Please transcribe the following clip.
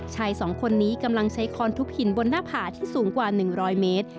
ชายสองคนนี้กำลังใช้คอนทุบหินบนหน้าผาที่สูงกว่า๑๐๐เมตร